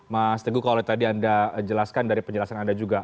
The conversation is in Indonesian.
mas teguh kalau tadi anda jelaskan dari penjelasan anda juga